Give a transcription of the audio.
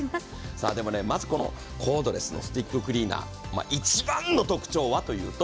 まず、コードレスのスティッククリーナー、一番の特徴はというと？